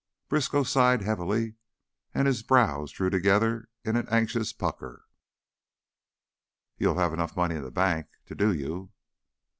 Briskow sighed heavily and his brows drew together in an anxious pucker. "You'll have enough money in bank to do you."